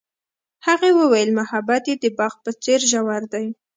هغې وویل محبت یې د باغ په څېر ژور دی.